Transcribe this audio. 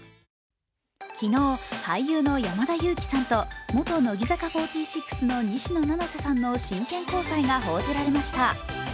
昨日、俳優の山田裕貴さんと元乃木坂４６の西野七瀬さんの真剣交際が報じられました。